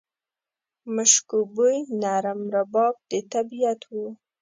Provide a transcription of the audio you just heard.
مشکو بوی، نرم رباب د طبیعت و